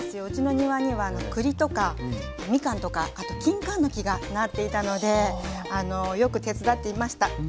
うちの庭にはくりとかみかんとかあときんかんの木がなっていたのでよく手伝っていました。